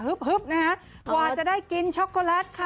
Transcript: นะฮะกว่าจะได้กินช็อกโกแลตค่ะ